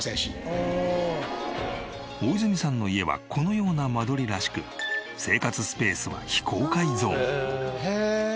大泉さんの家はこのような間取りらしく生活スペースは非公開ゾーン。